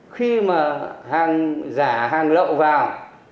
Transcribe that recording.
khi mà hàng giả hàng lậu vào